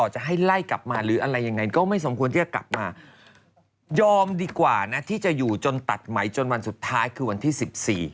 จะให้ไล่กลับมาหรืออะไรยังไงก็ไม่สมควรที่จะกลับมายอมดีกว่านะที่จะอยู่จนตัดไหมจนวันสุดท้ายคือวันที่๑๔